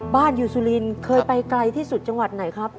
บ้านอยู่สุรินทร์เคยไปไกลที่สุดจังหวัดไหนครับ